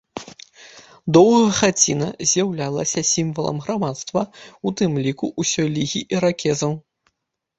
Доўгая хаціна з'яўлялася сімвалам грамадства, у тым ліку ўсёй лігі іракезаў.